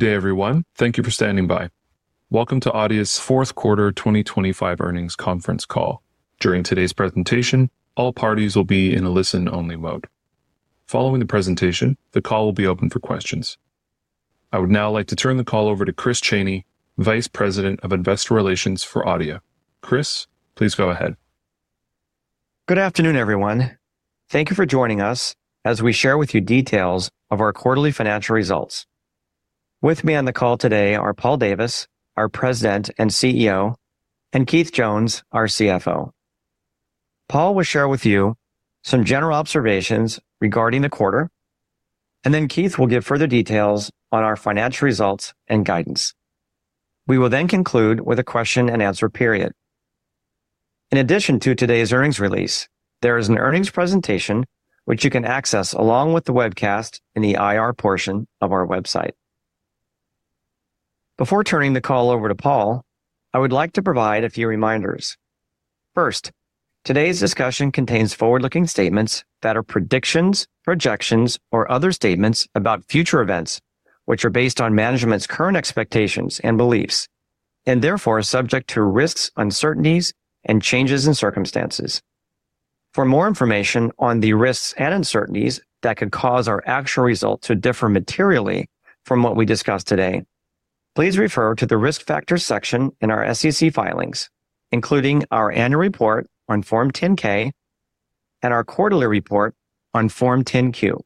Good day, everyone. Thank you for standing by. Welcome to Adeia's Fourth Quarter 2025 Earnings Conference Call. During today's presentation, all parties will be in a listen-only mode. Following the presentation, the call will be open for questions. I would now like to turn the call over to Chris Chaney, Vice President of Investor Relations for Adeia. Chris, please go ahead. Good afternoon, everyone. Thank you for joining us as we share with you details of our quarterly financial results. With me on the call today are Paul Davis, our President and CEO, and Keith Jones, our CFO. Paul will share with you some general observations regarding the quarter, and then Keith will give further details on our financial results and guidance. We will then conclude with a question and answer period. In addition to today's earnings release, there is an earnings presentation which you can access, along with the webcast, in the IR portion of our website. Before turning the call over to Paul, I would like to provide a few reminders. First, today's discussion contains forward-looking statements that are predictions, projections, or other statements about future events, which are based on management's current expectations and beliefs, and therefore are subject to risks, uncertainties, and changes in circumstances. For more information on the risks and uncertainties that could cause our actual results to differ materially from what we discuss today, please refer to the Risk Factors section in our SEC filings, including our annual report on Form 10-K and our quarterly report on Form 10-Q.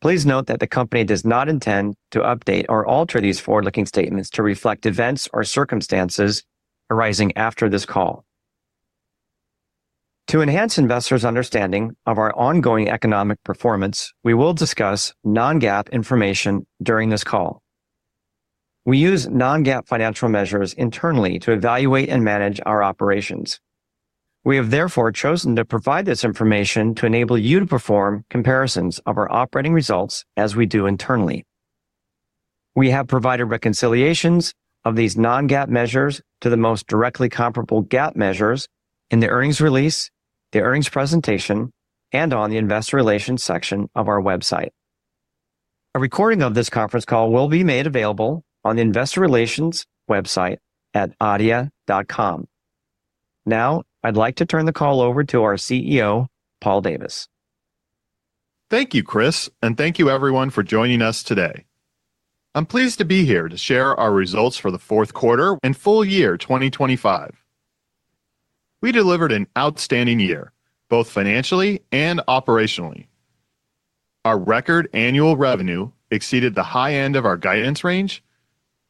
Please note that the company does not intend to update or alter these forward-looking statements to reflect events or circumstances arising after this call. To enhance investors' understanding of our ongoing economic performance, we will discuss non-GAAP information during this call. We use non-GAAP financial measures internally to evaluate and manage our operations. We have therefore chosen to provide this information to enable you to perform comparisons of our operating results as we do internally. We have provided reconciliations of these non-GAAP measures to the most directly comparable GAAP measures in the earnings release, the earnings presentation, and on the Investor Relations section of our website. A recording of this conference call will be made available on the Investor Relations website at adeia.com. Now, I'd like to turn the call over to our CEO, Paul Davis. Thank you, Chris, and thank you everyone for joining us today. I'm pleased to be here to share our results for the fourth quarter and full year 2025. We delivered an outstanding year, both financially and operationally. Our record annual revenue exceeded the high end of our guidance range,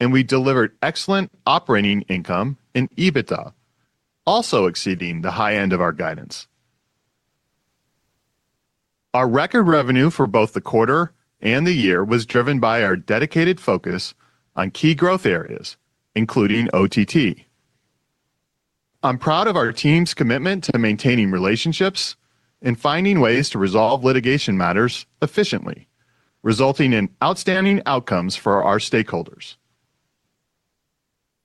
and we delivered excellent operating income and EBITDA, also exceeding the high end of our guidance. Our record revenue for both the quarter and the year was driven by our dedicated focus on key growth areas, including OTT. I'm proud of our team's commitment to maintaining relationships and finding ways to resolve litigation matters efficiently, resulting in outstanding outcomes for our stakeholders.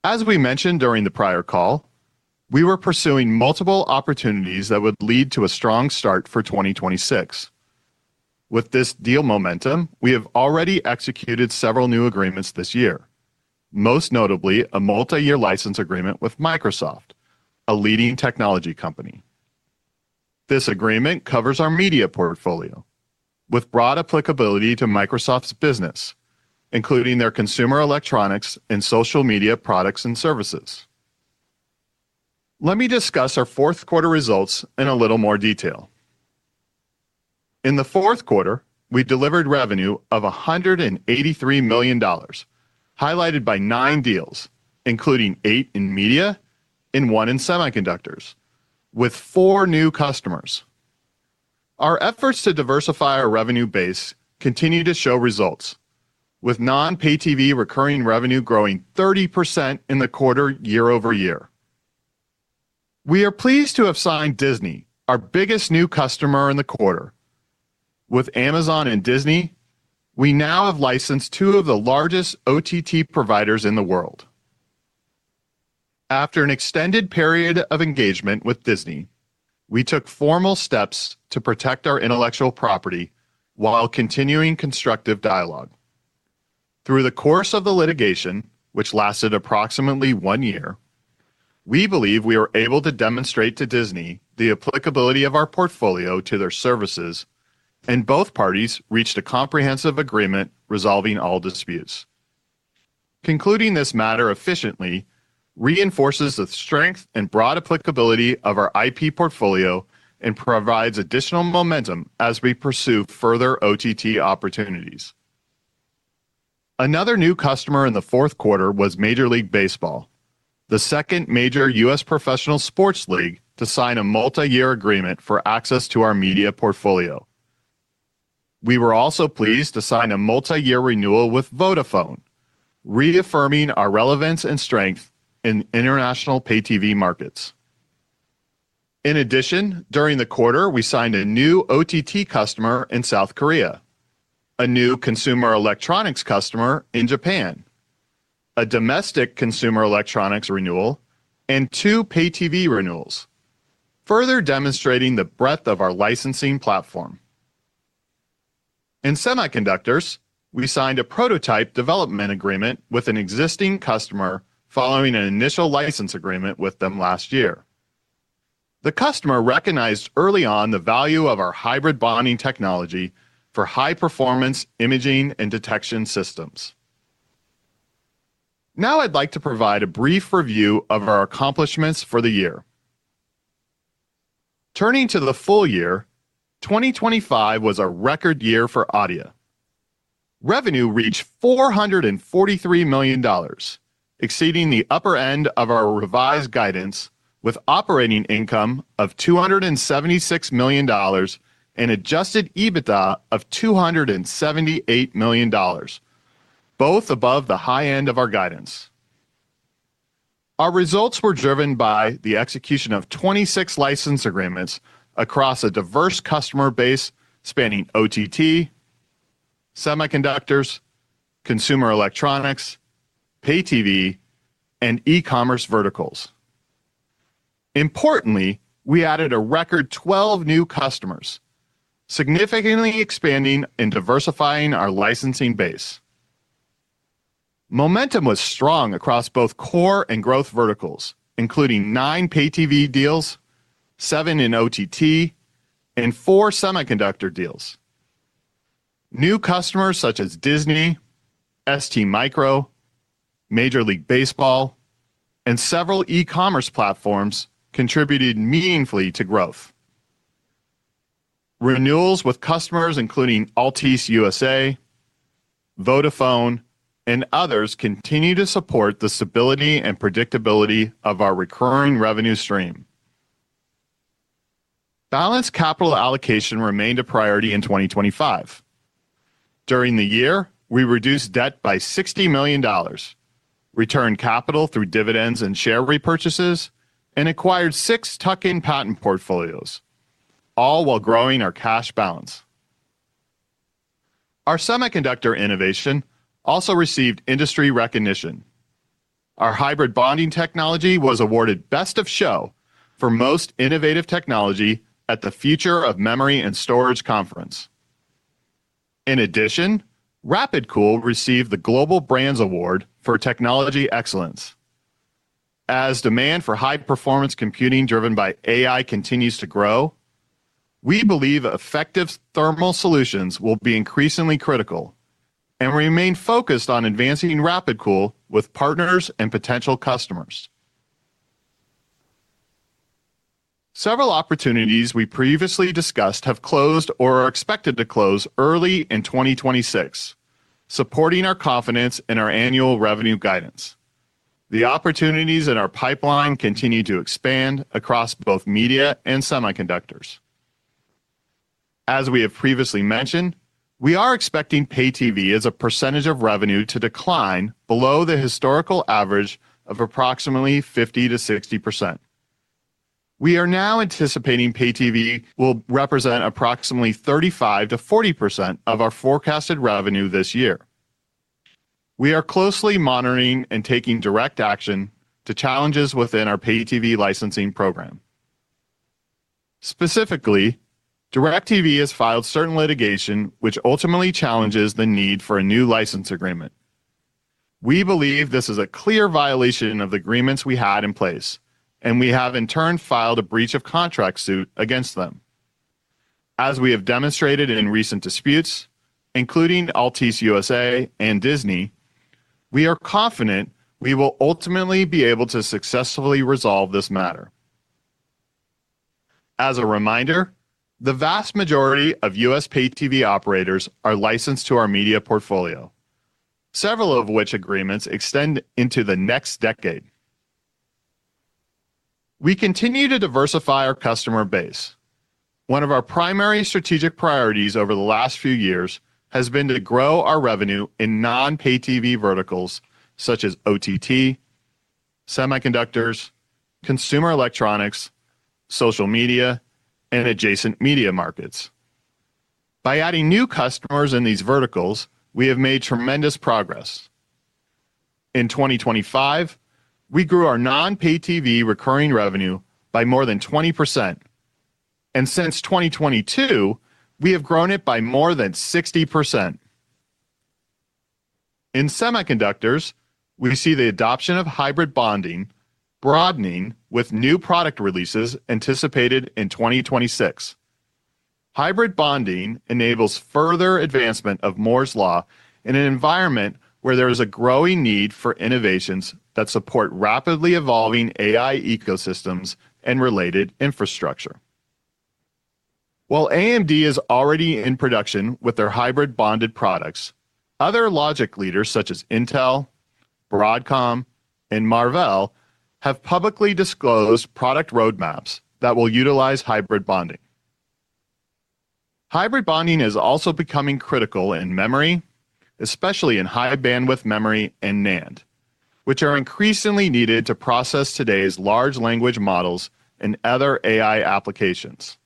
As we mentioned during the prior call, we were pursuing multiple opportunities that would lead to a strong start for 2026. With this deal momentum, we have already executed several new agreements this year, most notably a multi-year license agreement with Microsoft, a leading technology company. This agreement covers our media portfolio with broad applicability to Microsoft's business, including their consumer electronics and social media products and services. Let me discuss our fourth quarter results in a little more detail. In the fourth quarter, we delivered revenue of $183 million, highlighted by nine deals, including eight in media and one in semiconductors, with four new customers. Our efforts to diversify our revenue base continue to show results, with non-pay TV recurring revenue growing 30% in the quarter year-over-year. We are pleased to have signed Disney, our biggest new customer in the quarter. With Amazon and Disney, we now have licensed two of the largest OTT providers in the world. After an extended period of engagement with Disney, we took formal steps to protect our intellectual property while continuing constructive dialogue. Through the course of the litigation, which lasted approximately one year, we believe we are able to demonstrate to Disney the applicability of our portfolio to their services, and both parties reached a comprehensive agreement resolving all disputes. Concluding this matter efficiently reinforces the strength and broad applicability of our IP portfolio and provides additional momentum as we pursue further OTT opportunities. Another new customer in the fourth quarter was Major League Baseball, the second major U.S. professional sports league to sign a multi-year agreement for access to our media portfolio. We were also pleased to sign a multi-year renewal with Vodafone, reaffirming our relevance and strength in international pay TV markets. In addition, during the quarter, we signed a new OTT customer in South Korea, a new consumer electronics customer in Japan. A domestic consumer electronics renewal and two PTV renewals, further demonstrating the breadth of our licensing platform. In semiconductors, we signed a prototype development agreement with an existing customer following an initial license agreement with them last year. The customer recognized early on the value of our hybrid bonding technology for high-performance imaging and detection systems. I'd like to provide a brief review of our accomplishments for the year. Turning to the full year, 2025 was a record year for Adeia. Revenue reached $443 million, exceeding the upper end of our revised guidance, with operating income of $276 million and adjusted EBITDA of $278 million, both above the high end of our guidance. Our results were driven by the execution of 26 license agreements across a diverse customer base spanning OTT, semiconductors, consumer electronics, pay-TV, and e-commerce verticals. Importantly, we added a record 12 new customers, significantly expanding and diversifying our licensing base. Momentum was strong across both core and growth verticals, including 9 pay-TV deals, 7 in OTT, and 4 semiconductor deals. New customers such as Disney, STMicro, Major League Baseball, and several e-commerce platforms contributed meaningfully to growth. Renewals with customers including Altice USA, Vodafone, and others continue to support the stability and predictability of our recurring revenue stream. Balanced capital allocation remained a priority in 2025. During the year, we reduced debt by $60 million, returned capital through dividends and share repurchases, and acquired 6 tuck-in patent portfolios, all while growing our cash balance. Our semiconductor innovation also received industry recognition. Our hybrid bonding technology was awarded Best of Show for Most Innovative Technology at the Future of Memory and Storage Conference. In addition, RapidCool received the Global Brands Award for Technology Excellence. As demand for high-performance computing driven by AI continues to grow, we believe effective thermal solutions will be increasingly critical and remain focused on advancing RapidCool with partners and potential customers. Several opportunities we previously discussed have closed or are expected to close early in 2026, supporting our confidence in our annual revenue guidance. The opportunities in our pipeline continue to expand across both media and semiconductors. As we have previously mentioned, we are expecting pay-TV as a percentage of revenue to decline below the historical average of approximately 50%-60%. We are now anticipating pay-TV will represent approximately 35%-40% of our forecasted revenue this year. We are closely monitoring and taking direct action to challenges within our pay-TV licensing program. Specifically, DirecTV has filed certain litigation which ultimately challenges the need for a new license agreement. We believe this is a clear violation of the agreements we had in place, and we have in turn filed a breach of contract suit against them. As we have demonstrated in recent disputes, including Altice USA and Disney, we are confident we will ultimately be able to successfully resolve this matter. As a reminder, the vast majority of U.S. pay-TV operators are licensed to our media portfolio, several of which agreements extend into the next decade. We continue to diversify our customer base. One of our primary strategic priorities over the last few years has been to grow our revenue in non-pay-TV verticals such as OTT, semiconductors, consumer electronics, social media, and adjacent media markets. By adding new customers in these verticals, we have made tremendous progress. In 2025, we grew our non-pay-TV recurring revenue by more than 20%, and since 2022, we have grown it by more than 60%. In semiconductors, we see the adoption of hybrid bonding broadening, with new product releases anticipated in 2026. Hybrid bonding enables further advancement of Moore's Law in an environment where there is a growing need for innovations that support rapidly evolving AI ecosystems and related infrastructure. While AMD is already in production with their hybrid bonded products, other logic leaders, such as Intel, Broadcom, and Marvell, have publicly disclosed product roadmaps that will utilize hybrid bonding. Hybrid bonding is also becoming critical in memory, especially in high-bandwidth memory and NAND, which are increasingly needed to process today's large language models and other AI applications.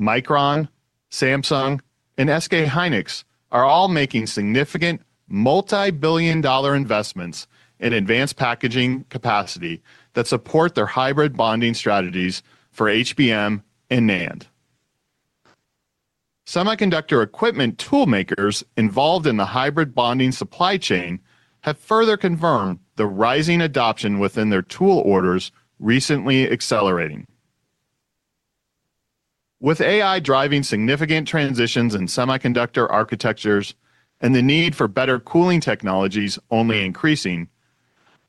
Micron, Samsung, and SK Hynix are all making significant multi-billion dollar investments in advanced packaging capacity that support their hybrid bonding strategies for HBM and NAND. Semiconductor equipment tool makers involved in the hybrid bonding supply chain have further confirmed the rising adoption within their tool orders, recently accelerating. With AI driving significant transitions in semiconductor architectures and the need for better cooling technologies only increasing,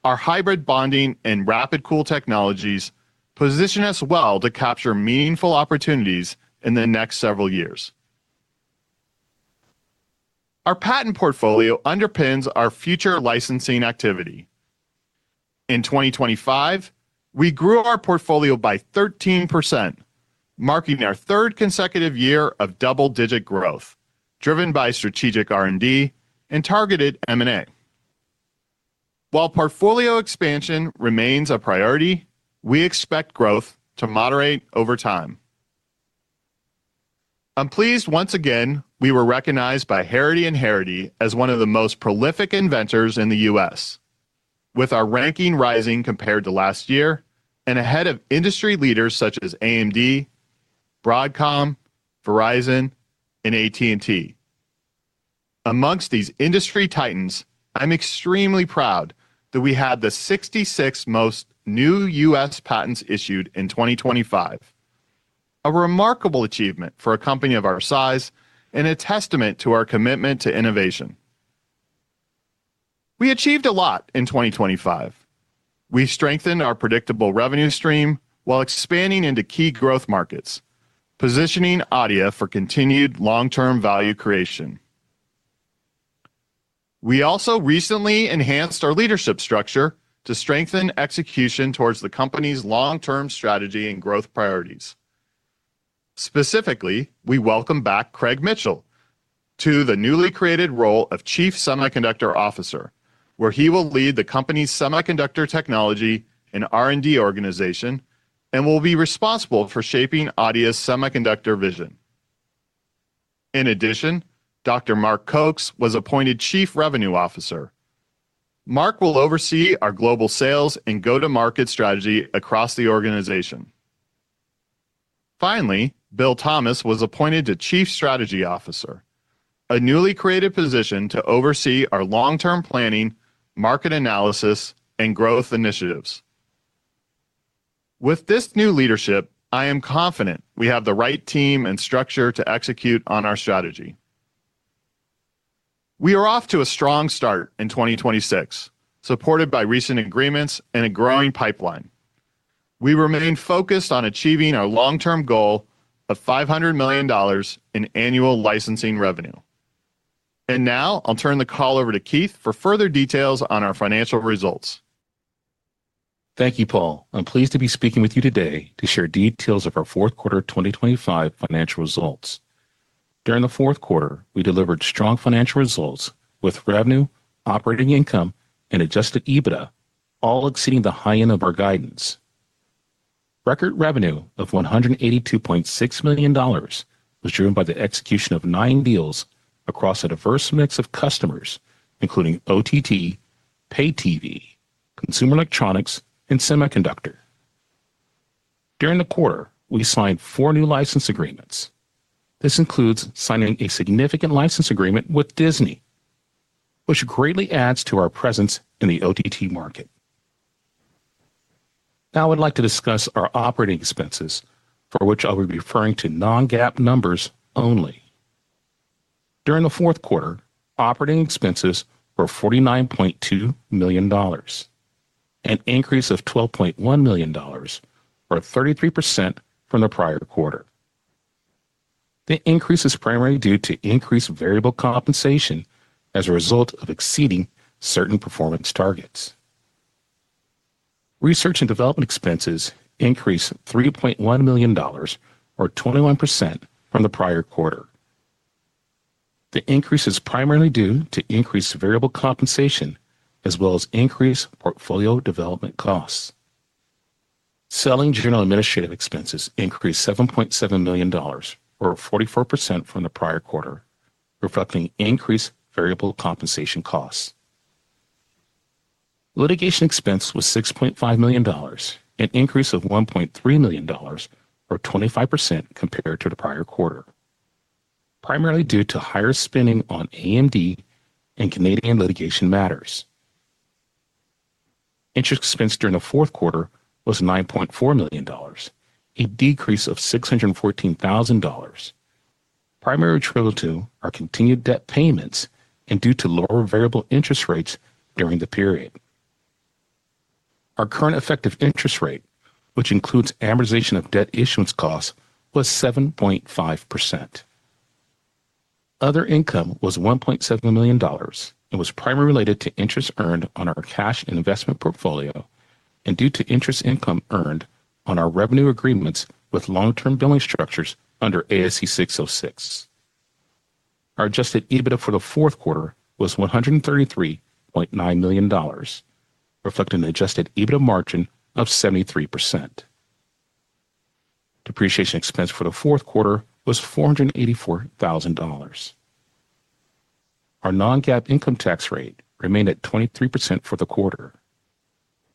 our hybrid bonding and RapidCool technologies position us well to capture meaningful opportunities in the next several years. Our patent portfolio underpins our future licensing activity. In 2025, we grew our portfolio by 13%, marking our third consecutive year of double-digit growth, driven by strategic R&D and targeted M&A. While portfolio expansion remains a priority, we expect growth to moderate over time. I'm pleased once again, we were recognized by Harrity & Harrity as one of the most prolific inventors in the U.S., with our ranking rising compared to last year and ahead of industry leaders such as AMD, Broadcom, Verizon, and AT&T. Amongst these industry titans, I'm extremely proud that we had the 66 most new U.S. patents issued in 2025, a remarkable achievement for a company of our size and a testament to our commitment to innovation. We achieved a lot in 2025. We strengthened our predictable revenue stream while expanding into key growth markets, positioning Adeia for continued long-term value creation. We also recently enhanced our leadership structure to strengthen execution towards the company's long-term strategy and growth priorities. Specifically, we welcome back Craig Mitchell to the newly created role of Chief Semiconductor Officer, where he will lead the company's semiconductor technology and R&D organization and will be responsible for shaping Adeia's semiconductor vision. In addition, Dr. Mark Kokes was appointed Chief Revenue Officer. Mark will oversee our global sales and go-to-market strategy across the organization. Finally, Bill Thomas was appointed to Chief Strategy Officer, a newly created position to oversee our long-term planning, market analysis, and growth initiatives. With this new leadership, I am confident we have the right team and structure to execute on our strategy. We are off to a strong start in 2026, supported by recent agreements and a growing pipeline. We remain focused on achieving our long-term goal of $500 million of annual licensing revenue. Now I'll turn the call over to Keith for further details on our financial results. Thank you, Paul. I'm pleased to be speaking with you today to share details of our fourth quarter 2025 financial results. During the fourth quarter, we delivered strong financial results with revenue, operating income, and adjusted EBITDA, all exceeding the high end of our guidance. Record revenue of $182.6 million was driven by the execution of nine deals across a diverse mix of customers, including OTT, pay-TV, consumer electronics, and semiconductor. During the quarter, we signed four new license agreements. This includes signing a significant license agreement with Disney, which greatly adds to our presence in the OTT market. Now, I would like to discuss our operating expenses, for which I will be referring to non-GAAP numbers only. During the fourth quarter, operating expenses were $49.2 million, an increase of $12.1 million, or 33% from the prior quarter. The increase is primarily due to increased variable compensation as a result of exceeding certain performance targets. Research and development expenses increased $3.1 million, or 21% from the prior quarter. The increase is primarily due to increased variable compensation, as well as increased portfolio development costs. Selling general administrative expenses increased $7.7 million, or 44% from the prior quarter, reflecting increased variable compensation costs. Litigation expense was $6.5 million, an increase of $1.3 million, or 25%, compared to the prior quarter, primarily due to higher spending on AMD and Canadian litigation matters. Interest expense during the fourth quarter was $9.4 million, a decrease of $614,000, primarily attributable to our continued debt payments and due to lower variable interest rates during the period. Our current effective interest rate, which includes amortization of debt issuance costs, was 7.5%. Other income was $1.7 million and was primarily related to interest earned on our cash and investment portfolio and due to interest income earned on our revenue agreements with long-term billing structures under ASC 606. Our adjusted EBITDA for the fourth quarter was $133.9 million, reflecting an adjusted EBITDA margin of 73%. Depreciation expense for the fourth quarter was $484,000. Our non-GAAP income tax rate remained at 23% for the quarter.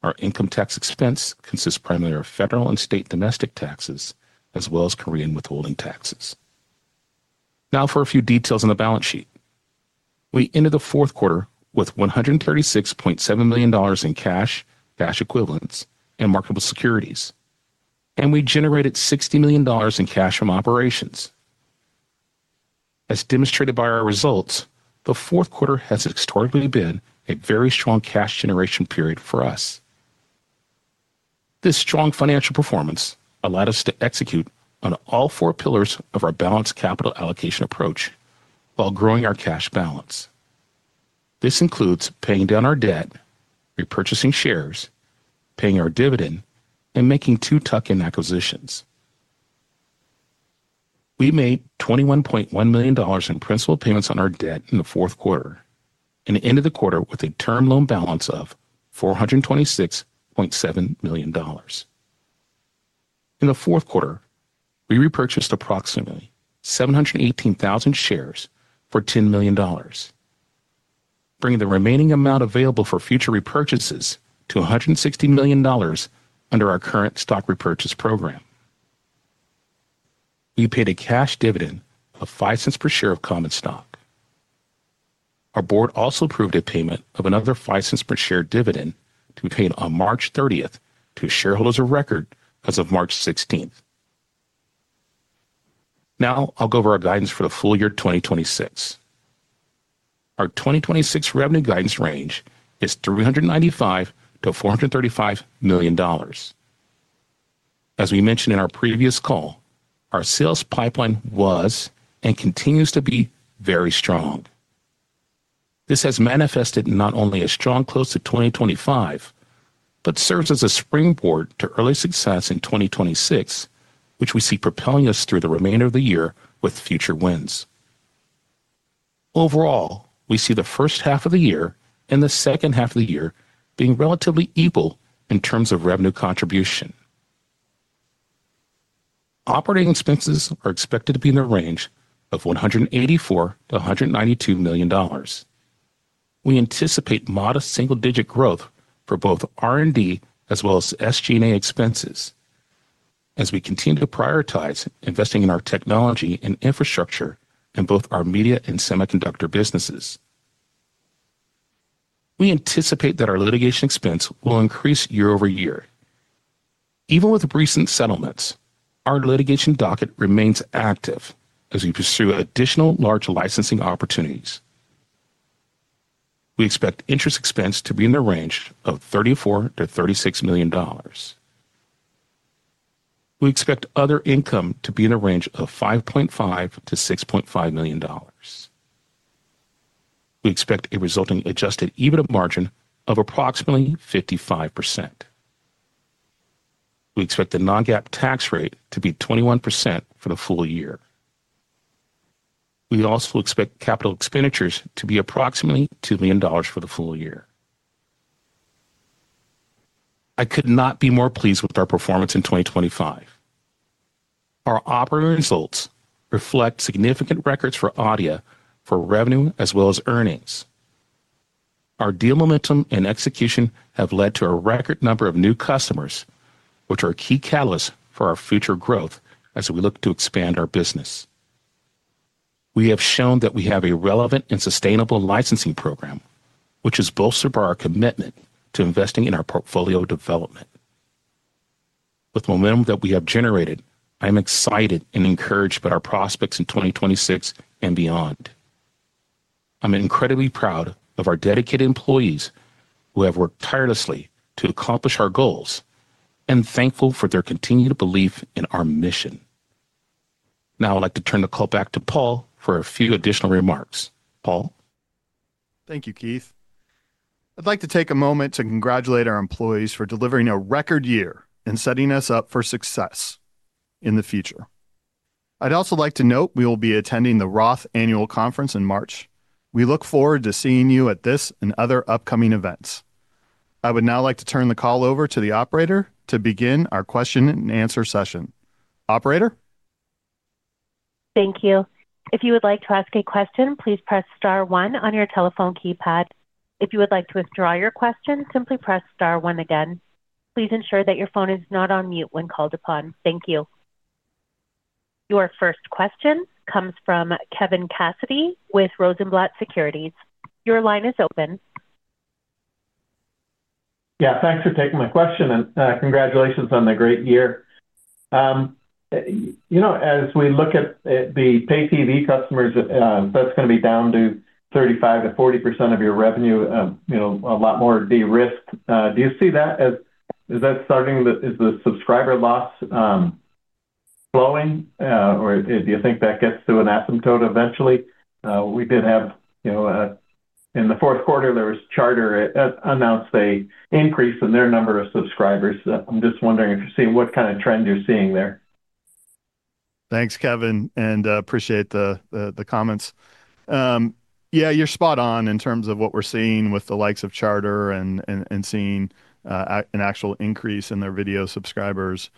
Our income tax expense consists primarily of federal and state domestic taxes, as well as Korean withholding taxes. Now for a few details on the balance sheet. We ended the fourth quarter with $136.7 million in cash, cash equivalents, and marketable securities, and we generated $60 million in cash from operations. As demonstrated by our results, the fourth quarter has historically been a very strong cash generation period for us. This strong financial performance allowed us to execute on all four pillars of our balanced capital allocation approach while growing our cash balance. This includes paying down our debt, repurchasing shares, paying our dividend, and making 2 tuck-in acquisitions. We made $21.1 million in principal payments on our debt in the fourth quarter and ended the quarter with a term loan balance of $426.7 million. In the fourth quarter, we repurchased approximately 718,000 shares for $10 million, bringing the remaining amount available for future repurchases to $160 million under our current stock repurchase program. We paid a cash dividend of $0.05 per share of common stock. Our board also approved a payment of another $0.05 per share dividend to be paid on March 30th to shareholders of record as of March 16th. Now I'll go over our guidance for the full year 2026. Our 2026 revenue guidance range is $395 million to $435 million. As we mentioned in our previous call, our sales pipeline was, and continues to be, very strong. This has manifested not only a strong close to 2025, but serves as a springboard to early success in 2026, which we see propelling us through the remainder of the year with future wins. Overall, we see the first half of the year and the second half of the year being relatively equal in terms of revenue contribution. Operating expenses are expected to be in the range of $184 million to $192 million. We anticipate modest single-digit growth for both R&D as well as SG&A expenses as we continue to prioritize investing in our technology and infrastructure in both our media and semiconductor businesses. We anticipate that our litigation expense will increase year-over-year. Even with recent settlements, our litigation docket remains active as we pursue additional large licensing opportunities. We expect interest expense to be in the range of $34 millio to -$36 million. We expect other income to be in a range of $5.5 million to $6.5 million. We expect a resulting adjusted EBITDA margin of approximately 55%. We expect the non-GAAP tax rate to be 21% for the full year. We also expect capital expenditures to be approximately $2 million for the full year. I could not be more pleased with our performance in 2025. Our operating results reflect significant records for Adeia, for revenue as well as earnings. Our deal momentum and execution have led to a record number of new customers, which are a key catalyst for our future growth as we look to expand our business. We have shown that we have a relevant and sustainable licensing program, which is bolstered by our commitment to investing in our portfolio development. With the momentum that we have generated, I'm excited and encouraged about our prospects in 2026 and beyond. I'm incredibly proud of our dedicated employees who have worked tirelessly to accomplish our goals, and thankful for their continued belief in our mission. I'd like to turn the call back to Paul for a few additional remarks. Paul? Thank you, Keith. I'd like to take a moment to congratulate our employees for delivering a record year and setting us up for success in the future. I'd also like to note we will be attending the Annual Roth Conference in March. We look forward to seeing you at this and other upcoming events. I would now like to turn the call over to the operator to begin our question-and-answer session. Operator? Thank you. If you would like to ask a question, please press star one on your telephone keypad. If you would like to withdraw your question, simply press star one again. Please ensure that your phone is not on mute when called upon. Thank you. Your first question comes from Kevin Cassidy with Rosenblatt Securities. Your line is open. Thanks for taking my question, and congratulations on the great year. You know, as we look at the pay-TV customers, that's gonna be down to 35%-40% of your revenue a lot more de-risked. Is the subscriber loss slowing? Or do you think that gets to an asymptote eventually? We did have, in the fourth quarter, there was Charter announced a increase in their number of subscribers. I'm just wondering what kind of trend you're seeing there? Thanks, Kevin, appreciate the comments. You're spot on in terms of what we're seeing with the likes of Charter and seeing an actual increase in their video subscribers.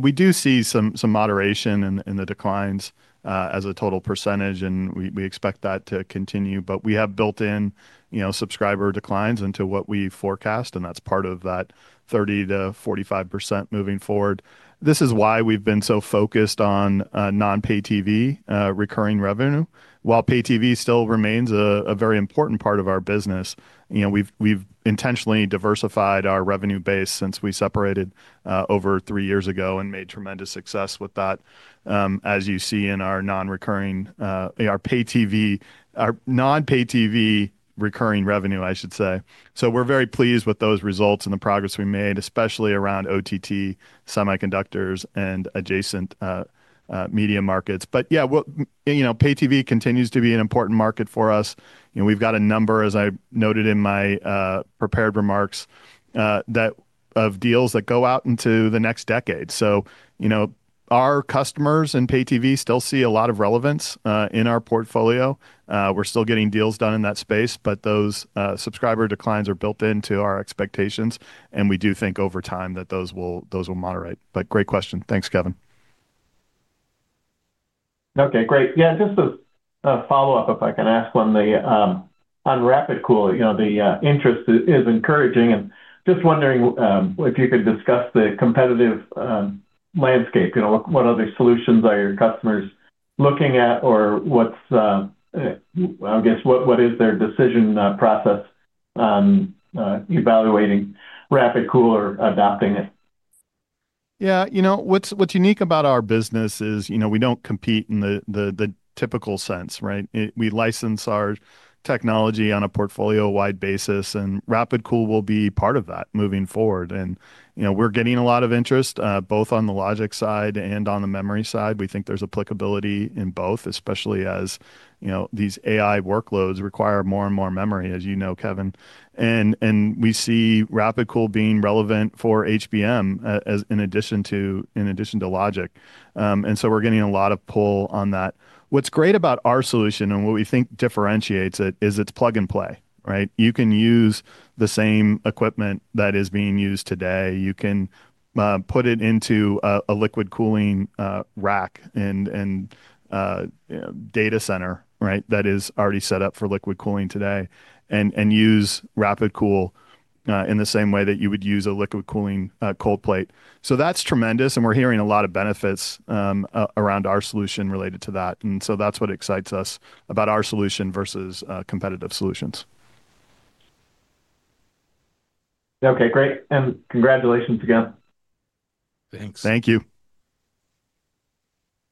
We do see some moderation in the declines as a total %, and we expect that to continue. We have built in subscriber declines into what we forecast, and that's part of that 30%-45% moving forward. This is why we've been so focused on non-pay-TV recurring revenue. While pay-TV still remains a very important part of our business we've intentionally diversified our revenue base since we separated over 3 years ago and made tremendous success with that. As you see in our non-recurring, our non-pay-TV recurring revenue, I should say. We're very pleased with those results and the progress we made, especially around OTT, semiconductors, and adjacent media markets. Well, pay-TV continues to be an important market for us. You know, we've got a number, as I noted in my prepared remarks, that of deals that go out into the next decade. You know, our customers in pay-TV still see a lot of relevance in our portfolio. We're still getting deals done in that space, but those subscriber declines are built into our expectations, and we do think over time that those will, those will moderate. Great question. Thanks, Kevin. Okay, great. Yeah, just a follow-up, if I can ask one. On RapidCool, you know, the interest is encouraging, and just wondering if you could discuss the competitive landscape. You know, what other solutions are your customers looking at or what's, I guess, what is their decision process evaluating RapidCool or adopting it? What's unique about our business is we don't compete in the typical sense, right? We license our technology on a portfolio-wide basis, and RapidCool will be part of that moving forward. We're getting a lot of interest, both on the logic side and on the memory side. We think there's applicability in both, especially as, you know, these AI workloads require more and more memory, as you know, Kevin. We see RapidCool being relevant for HBM, in addition to logic. We're getting a lot of pull on that. What's great about our solution and what we think differentiates it is that it's plug and play, right? You can use the same equipment that is being used today. You can put it into a liquid cooling rack and data center, right? That is already set up for liquid cooling today, and use RapidCool in the same way that you would use a liquid cooling cold plate. That's tremendous, and we're hearing a lot of benefits around our solution related to that, and so that's what excites us about our solution versus competitive solutions. Okay, great. Congratulations again. Thanks. Thank you.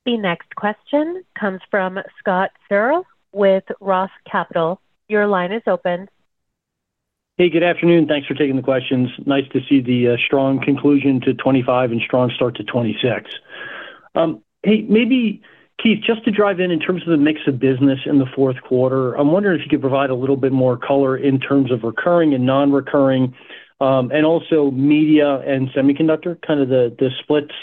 The next question comes from Scott Searle with Roth Capital. Your line is open. Hey, good afternoon. Thanks for taking the questions. Nice to see the strong conclusion to 2025 and strong start to 2026. Hey, maybe, Keith, just to drive in terms of the mix of business in the fourth quarter, I'm wondering if you could provide a little bit more color in terms of recurring and non-recurring, and also media and semiconductor, kind of the splits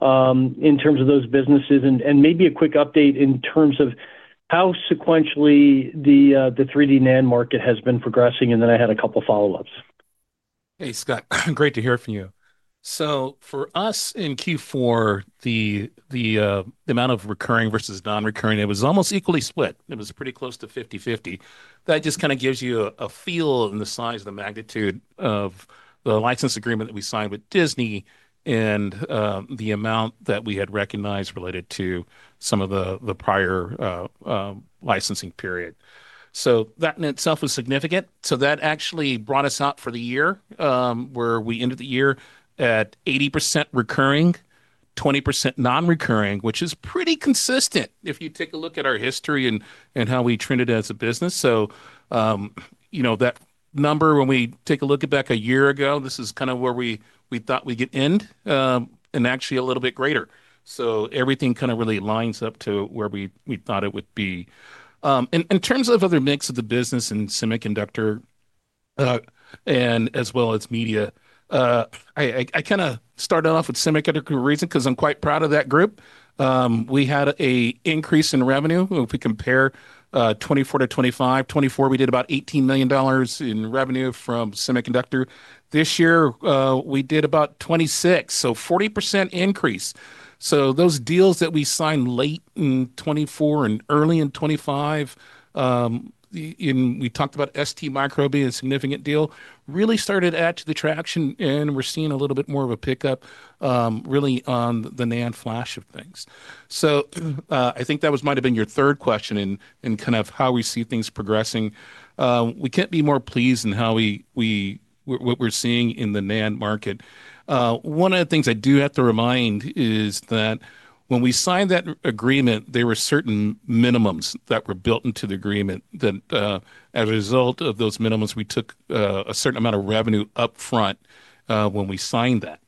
in terms of those businesses, and maybe a quick update in terms of how sequentially the 3D NAND market has been progressing, and then I had a couple of follow-ups. Hey, Scott, great to hear from you. For us in Q4, the amount of recurring versus non-recurring, it was almost equally split. It was pretty close to 50/50. That just kind of gives you a feel of the size and the magnitude of the license agreement that we signed with Disney and the amount that we had recognized related to some of the prior licensing period. That in itself was significant. That actually brought us out for the year, where we ended the year at 80% recurring, 20% non-recurring, which is pretty consistent if you take a look at our history and how we trended as a business. That number, when we take a look at back a year ago, this is kind of where we thought we could end, and actually a little bit greater. Everything kind of really lines up to where we, we thought it would be. In terms of other mix of the business in semiconductor, as well as media, I started off with semiconductor reason, because I'm quite proud of that group. We had a increase in revenue. If we compare 2024 to 2025, 2024, we did about $18 million in revenue from semiconductor. This year, we did about $26 million, so 40% increase. Those deals that we signed late in 2024 and early in 2025, and we talked about STMicroelectronics, a significant deal, really started to add to the traction, and we're seeing a little bit more of a pickup, really on the NAND flash of things. I think that was might have been your third question in how we see things progressing. We can't be more pleased in how we what we're seeing in the NAND market. One of the things I do have to remind is that when we signed that agreement, there were certain minimums that were built into the agreement. That, as a result of those minimums, we took a certain amount of revenue upfront, when we signed that.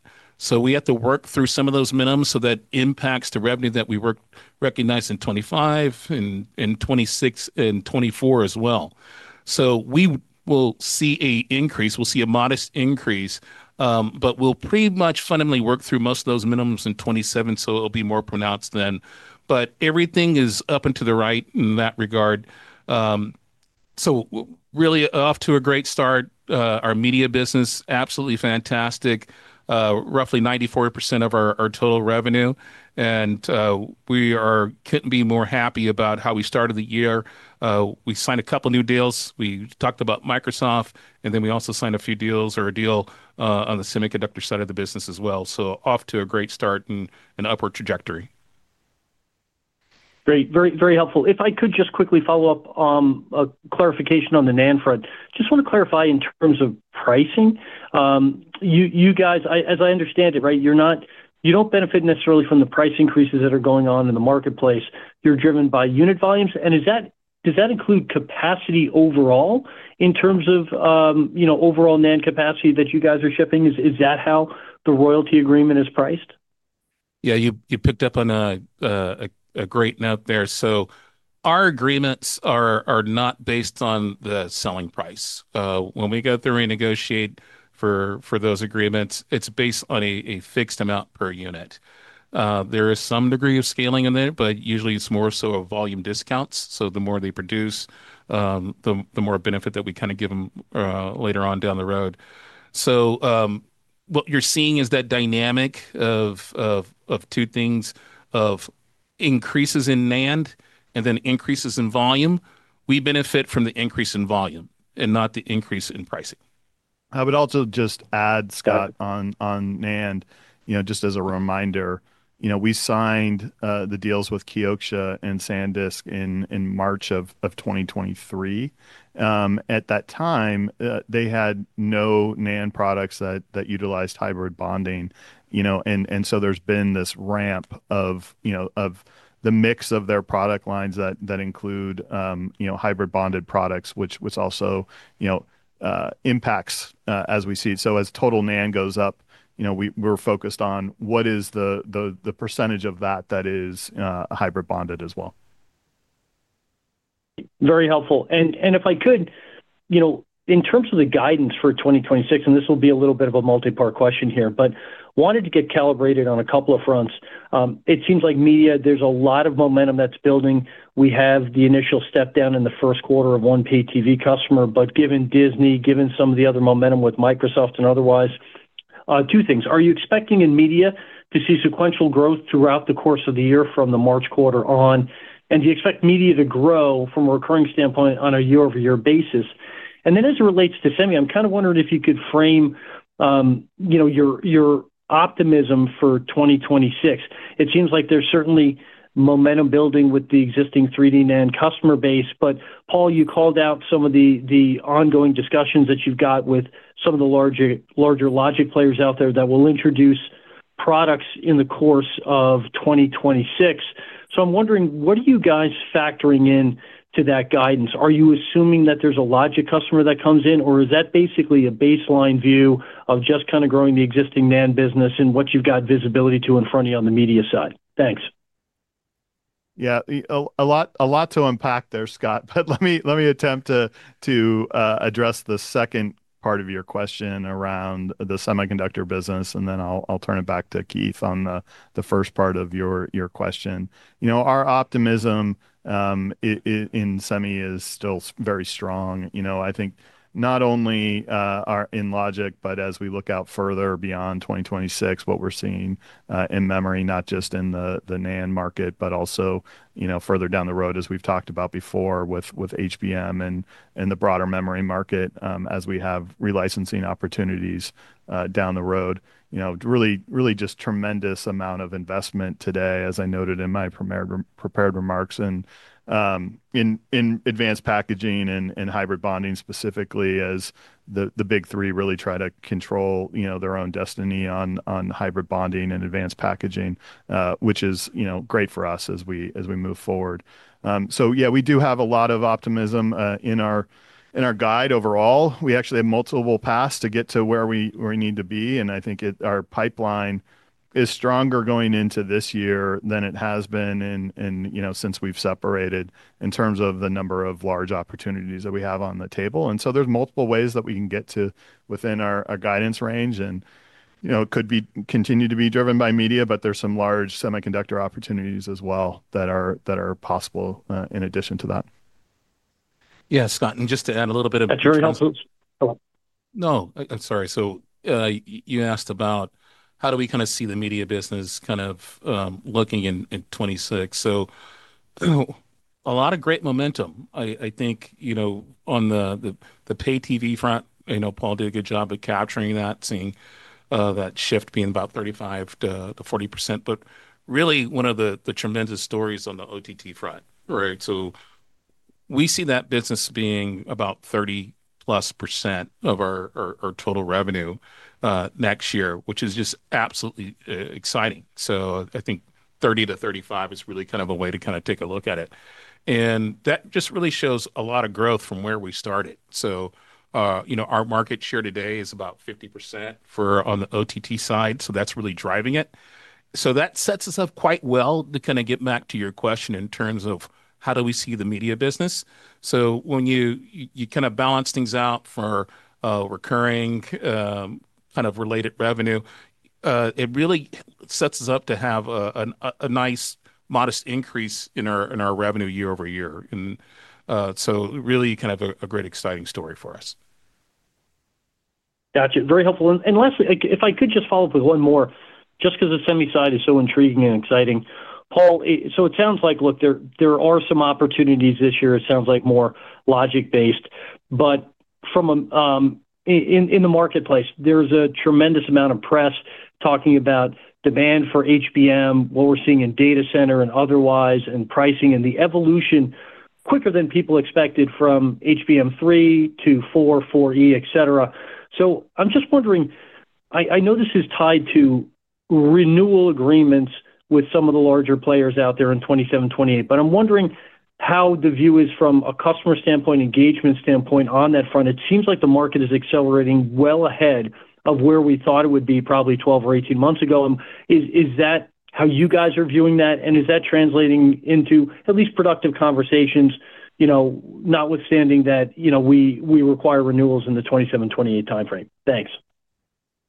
We had to work through some of those minimums so that impacts the revenue that we recognized in 2025, in 2026, and 2024 as well. We will see a increase, we'll see a modest increase, but we'll pretty much fundamentally work through most of those minimums in 2027, so it'll be more pronounced then. Everything is up and to the right in that regard. Really off to a great start. Our media business, absolutely fantastic. Roughly 94% of our total revenue, and we couldn't be more happy about how we started the year. We signed a couple new deals. We talked about Microsoft, and then we also signed a few deals or a deal on the semiconductor side of the business as well. Off to a great start and an upward trajectory. Great. Very, very helpful. If I could just quickly follow up on clarification on the NAND front. Just want to clarify in terms of pricing, you, you guys, as I understand it, right, you don't benefit necessarily from the price increases that are going on in the marketplace. You're driven by unit volumes. Does that include capacity overall in terms of, you know, overall NAND capacity that you guys are shipping? Is that how the royalty agreement is priced? You picked up on a great note there. Our agreements are not based on the selling price. When we go through, we negotiate for those agreements, it's based on a fixed amount per unit. There is some degree of scaling in there, but usually it's more so of volume discounts. The more they produce, the more benefit that we get from them later on down the road. What you're seeing is that dynamic of two things, of increases in NAND and then increases in volume. We benefit from the increase in volume and not the increase in pricing. I would also just add, Scott, on NAND, you know, just as a reminder, you know, we signed the deals with Kioxia and SanDisk in March of 2023. At that time, they had no NAND products that, that utilized hybrid bonding and so there's been this ramp of the mix of their product lines that include hybrid bonded products which also impacts as we see. As total NAND goes up, you know, we're focused on what is the percent of that, that is hybrid bonded as well. Very helpful. If I could, you know, in terms of the guidance for 2026, and this will be a little bit of a multipart question here, but wanted to get calibrated on a couple of fronts. It seems like media, there's a lot of momentum that's building. We have the initial step down in the 1st quarter of one pay-TV customer, but given Disney, given some of the other momentum with Microsoft and otherwise, 2 things: Are you expecting in media to see sequential growth throughout the course of the year from the March quarter on? Do you expect media to grow from a recurring standpoint on a year-over-year basis? As it relates to Semi, I'm kind of wondering if you could frame your optimism for 2026. It seems like there's certainly momentum building with the existing 3D NAND customer base. Paul, you called out some of the ongoing discussions that you've got with some of the larger logic players out there that will introduce products in the course of 2026. I'm wondering, what are you guys factoring in to that guidance? Are you assuming that there's a logic customer that comes in, or is that basically a baseline view of just kind of growing the existing NAND business and what you've got visibility to in front of you on the media side? Thanks. Yeah. A lot to unpack there, Scott Searle, but let me attempt to address the second part of your question around the semiconductor business, and then I'll turn it back to Keith Jones on the first part of your question. You know, our optimism in semi is still very strong. You know, I think not only in logic, but as we look out further beyond 2026, what we're seeing in memory, not just in the NAND market, but also, you know, further down the road, as we've talked about before, with HBM and the broader memory market, as we have relicensing opportunities down the road. Really just tremendous amount of investment today, as I noted in my premier prepared remarks and in advanced packaging and hybrid bonding, specifically as the big three really try to control, you know, their own destiny on hybrid bonding and advanced packaging, which is, you know, great for us as we, as we move forward. Yeah, we do have a lot of optimism in our guide overall. We actually have multiple paths to get to where we need to be, and I think our pipeline is stronger going into this year than it has been in since we've separated in terms of the number of large opportunities that we have on the table. There's multiple ways that we can get to within our guidance range, and, you know, it could be continue to be driven by media, but there's some large semiconductor opportunities as well that are possible, in addition to that. Scott. Just to add a little bit. No, I'm sorry. You asked about how do we see the media business kind of looking in 2026. A lot of great momentum. I think on the pay-TV front, Paul did a good job of capturing that, seeing that shift being about 35%-40%. Really, one of the tremendous stories on the OTT front, right? We see that business being about 30+% of our total revenue next year, which is just absolutely exciting. I think 30%-35% is really a way to take a look at it, and that just really shows a lot of growth from where we started. Our market share today is about 50% for on the OTT side, so that's really driving it. That sets us up quite well to kind of get back to your question in terms of: How do we see the media business? When you balance things out for recurring, kind of related revenue, it really sets us up to have a nice modest increase in our revenue year-over-year. Really a great, exciting story for us. Gotcha. Very helpful. Lastly, like, if I could just follow up with one more, just because the semi side is so intriguing and exciting. Paul, so it sounds like, look, there are some opportunities this year. It sounds like more logic-based, but from a, in the marketplace, there's a tremendous amount of press talking about demand for HBM, what we're seeing in data center and otherwise, and pricing, and the evolution quicker than people expected from HBM3-HBM4, HBM4E, et cetera. I'm just wondering, I know this is tied to renewal agreements with some of the larger players out there in 2027, 2028, but I'm wondering how the view is from a customer standpoint, engagement standpoint on that front. It seems like the market is accelerating well ahead of where we thought it would be, probably 12 or 18 months ago. Is that how you guys are viewing that? Is that translating into at least productive conversations not withstanding that we require renewals in the 2027, 2028 timeframe? Thanks.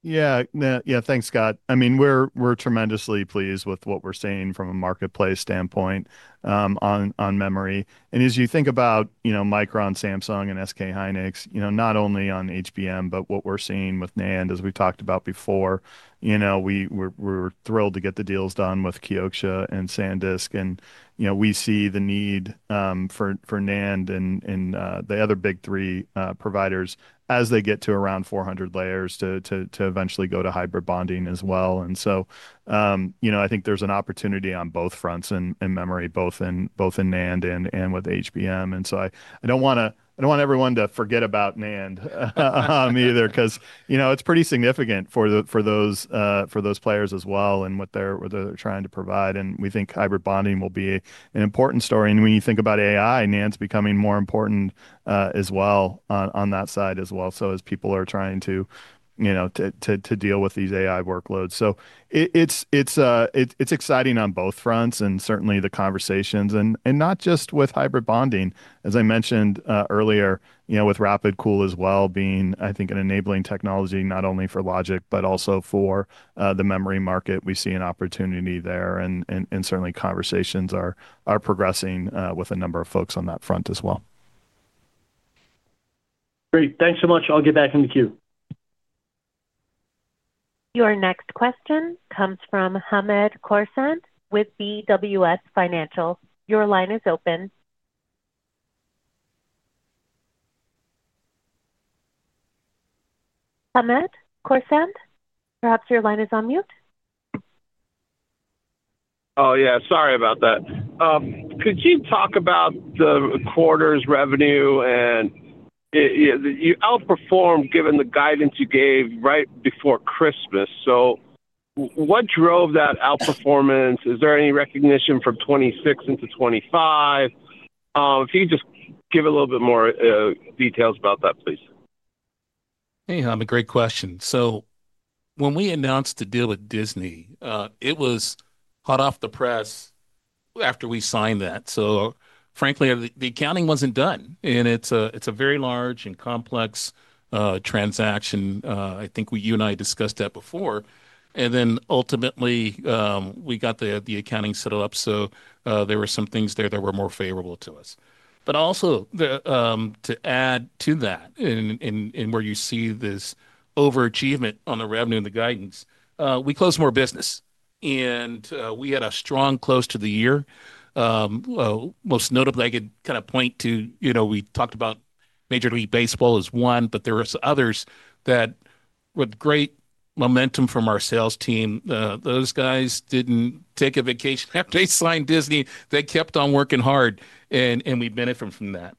Thanks, Scott. We're tremendously pleased with what we're seeing from a marketplace standpoint, on memory. As you think about Micron, Samsung, and SK Hynix, not only on HBM, but what we're seeing with NAND, as we've talked about before. We're thrilled to get the deals done with Kioxia and SanDisk, and we see the need for NAND and the other big three, providers as they get to around 400 layers to eventually go to hybrid bonding as well. So, you know, I think there's an opportunity on both fronts in memory, both in NAND and with HBM. I don't want everyone to forget about NAND, either, 'cause it's pretty significant for those players as well, and what they're trying to provide, and we think hybrid bonding will be an important story. When you think about AI, NAND's becoming more important, as well, on that side as well, so as people are trying to deal with these AI workloads. It's exciting on both fronts and certainly the conversations and not just with hybrid bonding. As I mentioned, earlier, you know, with RapidCool as well, being an enabling technology, not only for logic but also for the memory market. We see an opportunity there, certainly. Conversations are progressing with a number of folks on that front as well. Great. Thanks so much. I'll get back in the queue. Your next question comes from Hamed Khorsand with BWS Financial. Your line is open. Hamed Khorsand, perhaps your line is on mute. Sorry about that. Could you talk about the quarter's revenue and, yeah, you outperformed, given the guidance you gave right before Christmas. What drove that outperformance? Is there any recognition from '26 into '25? If you could just give a little bit more details about that, please. Hey, Hamed, great question. When we announced the deal with Disney, it was hot off the press after we signed that. Frankly, the accounting wasn't done, and it's a very large and complex transaction. I think you and I discussed that before, and then ultimately, we got the accounting set up. There were some things there that were more favorable to us. Also, to add to that and where you see this overachievement on the revenue and the guidance, we closed more business, and we had a strong close to the year. Most notably, I could kind of point to, you know, we talked about Major League Baseball as one, but there are others that, with great momentum from our sales team, those guys didn't take a vacation. After they signed Disney, they kept on working hard and we benefit from that.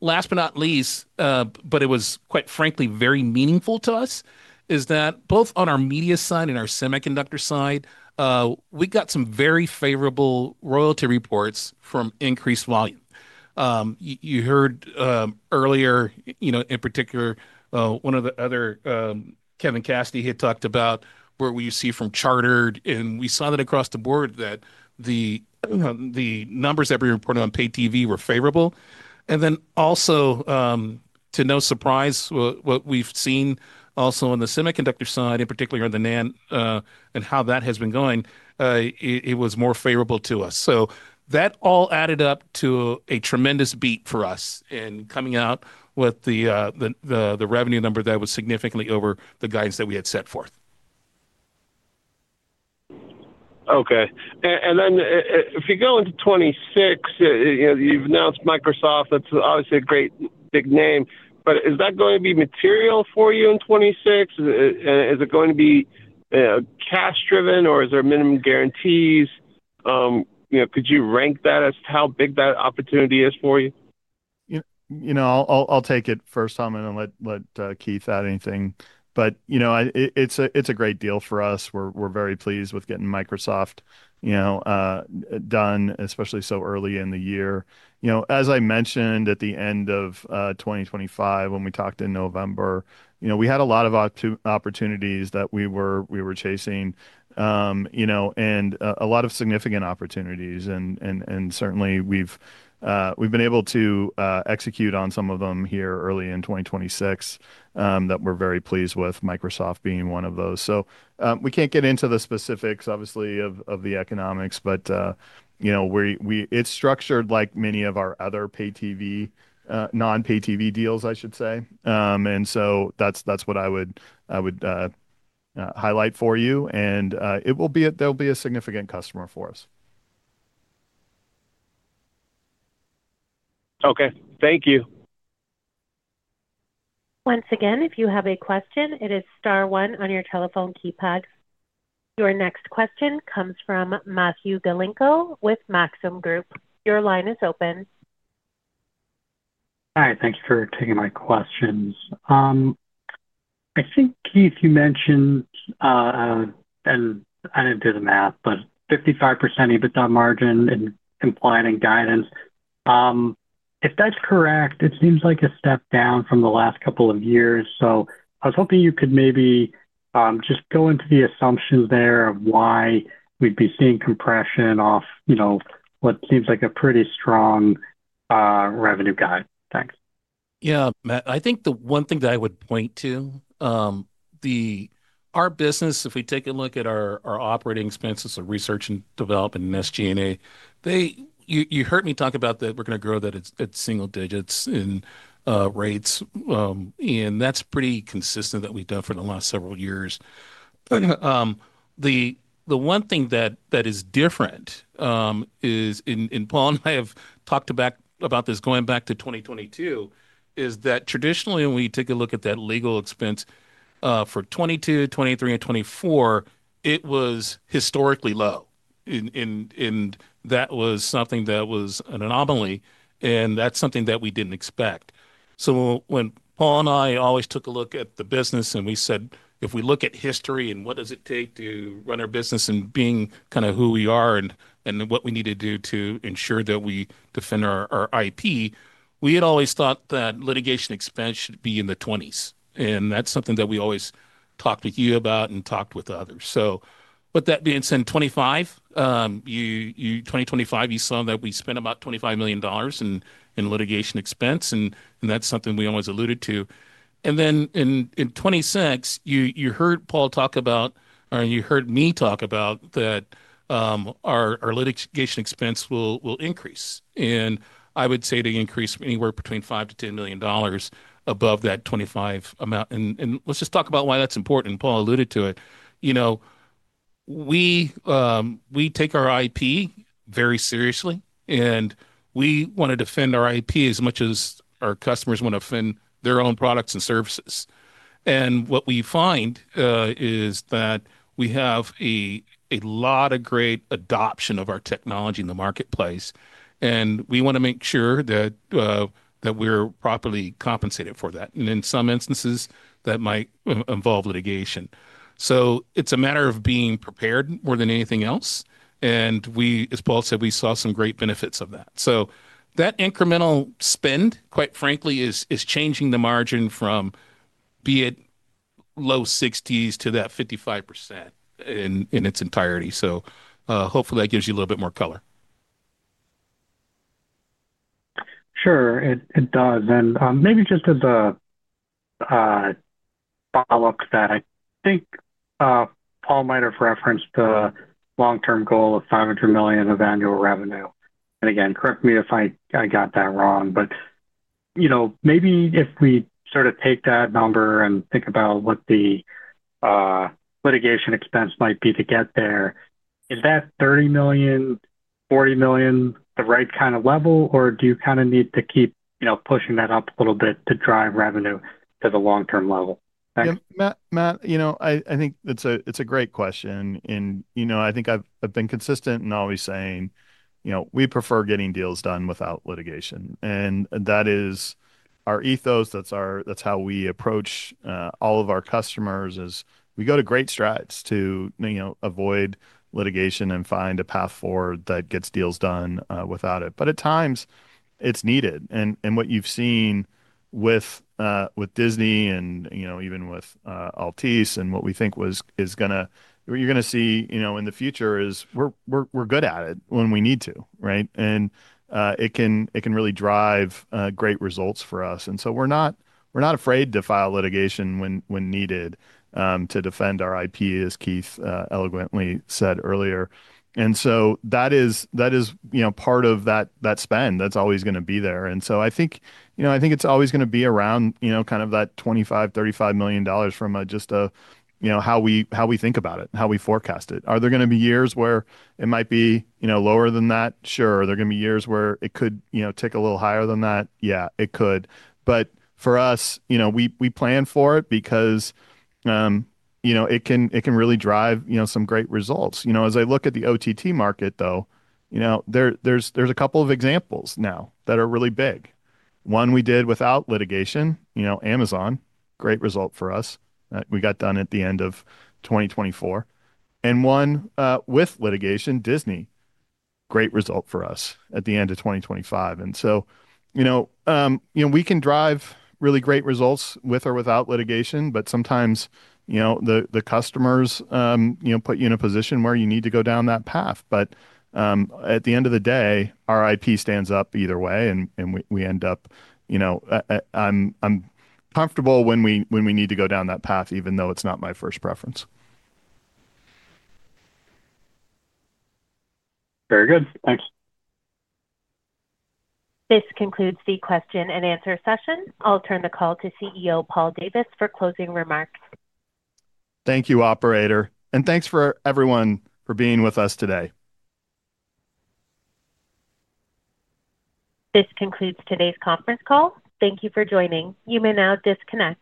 Last but not least, but it was, quite frankly, very meaningful to us, is that both on our media side and our semiconductor side, we got some very favorable royalty reports from increased volume. You heard, earlier, you know, in particular, one of the other, Kevin Cassidy had talked about, where you see from Charter, and we saw that across the board, that the numbers that we reported on pay-TV were favorable. Then also, to no surprise, what we've seen also on the semiconductor side, in particular in the NAND, and how that has been going, it was more favorable to us. So that all added up to a tremendous beat for us and coming out with the revenue number that was significantly over the guidance that we had set forth. Okay, then if you go into 2026 you've announced Microsoft. That's obviously a great big name, but is that going to be material for you in 2026? Is it going to be cash-driven, or is there minimum guarantees? You know, could you rank that as to how big that opportunity is for you? I'll take it first, Hamed, and then let Keith add anything. You know, it's a great deal for us. We're very pleased with getting Microsoft done, especially so early in the year. You know, as I mentioned, at the end of 2025, when we talked in November, you know, we had a lot of opportunities that we were chasing, you know, and a lot of significant opportunities. Certainly, we've been able to execute on some of them here early in 2026, that we're very pleased with, Microsoft being one of those. We can't get into the specifics, obviously, of the economics, but it's structured like many of our other paid TV, non-paid TV deals, I should say. That's what I would describe, highlight for you, and there'll be a significant customer for us. Okay. Thank you. Once again, if you have a question, it is star one on your telephone keypad. Your next question comes from Matthew Galinko with Maxim Group. Your line is open. Hi, thank you for taking my questions. I think, Keith, you mentioned, and I didn't do the math, but 55% EBITDA margin and compliant and guidance. If that's correct, it seems like a step down from the last couple of years. I was hoping you could maybe just go into the assumptions there of why we'd be seeing compression off, you know, what seems like a pretty strong revenue guide. Thanks. Yeah, Matt, I think the one thing that I would point to, our business, if we take a look at our, our operating expenses of research and development and SG&A, you heard me talk about that we're gonna grow that at, at single digits in rates. That's pretty consistent that we've done for the last several years. The one thing that is different is Paul and I have talked about this going back to 2022, is that traditionally, when we took a look at that legal expense for 2022, 2023 and 2024, it was historically low. That was something that was an anomaly, and that's something that we didn't expect. When Paul and I always took a look at the business, and we said, if we look at history and what does it take to run our business and being kind of who we are and what we need to do to ensure that we defend our IP, we had always thought that litigation expense should be in the 20s, and that's something that we always talked with you about and talked with others. With that being said, in 2025, you saw that we spent about $25 million in litigation expense, and that's something we always alluded to. Then in 2026, you heard Paul talk about, or you heard me talk about that our litigation expense will increase, I would say it increase anywhere between $5 million to $10 million above that $25 amount. Let's just talk about why that's important, and Paul alluded to it. We take our IP very seriously, and we wanna defend our IP as much as our customers wanna defend their own products and services. What we find is that we have a lot of great adoption of our technology in the marketplace, and we wanna make sure that we're properly compensated for that. In some instances, that might involve litigation. It's a matter of being prepared more than anything else, and we, as Paul said, we saw some great benefits of that. That incremental spend, quite frankly, is changing the margin from, be it low 60% to that 55% in its entirety. Hopefully, that gives you a little bit more color. Sure, it does. Maybe just as a follow-up that I think Paul might have referenced the long-term goal of $500 million of annual revenue, and again, correct me if I got that wrong. Maybe if we sort of take that number and think about what the litigation expense might be to get there, is that $30 million, $40 million, the right kind of level, or do you kind of need to keep, you know, pushing that up a little bit to drive revenue to the long-term level? Thanks. Matt, it's a great question, and I've been consistent in always saying we prefer getting deals done without litigation. That is our ethos that's how we approach all of our customers, is we go to great strides to avoid litigation and find a path forward that gets deals done, without it. At times, it's needed. What you've seen with Disney and even with Altice. What you're gonna see in the future is we're good at it when we need to, right? It can really drive, great results for us. We're not afraid to file litigation when needed, to defend our IP, as Keith eloquently said earlier. That is part of that spend that's always gonna be there. I think it's always gonna be around that $25 million to $35 million from a just how we, how we think about it, how we forecast it. Are there gonna be years where it might be lower than that? Sure. Are there gonna be years where it could tick a little higher than that? Yeah, it could. For us we plan for it because it can really drive some great results. As I look at the OTT market, though there's a couple of examples now that are really big. One, we did without litigation Amazon, great result for us. We got done at the end of 2024. One, with litigation, Disney, great result for us at the end of 2025. We can drive really great results with or without litigation, but sometimes, the customers put you in a position where you need to go down that path. At the end of the day, our IP stands up either way, and we end up I'm comfortable when we need to go down that path, even though it's not my first preference. Very good. Thanks. This concludes the question and answer session. I'll turn the call to CEO, Paul Davis, for closing remarks. Thank you, operator, and thanks for everyone for being with us today. This concludes today's conference call. Thank you for joining. You may now disconnect.